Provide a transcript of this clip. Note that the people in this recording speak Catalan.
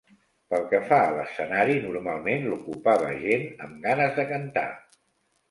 Pel que fa a l'escenari, normalment l'ocupava gent amb ganes de cantar.